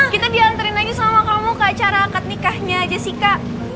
kita diantarin lagi sama kamu ke acara akad nikahnya jessica